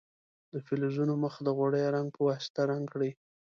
د فلزونو مخ د غوړیو رنګ په واسطه رنګ کړئ.